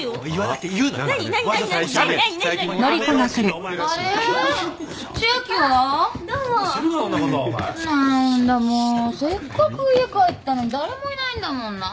せっかく家帰ったのに誰もいないんだもんな。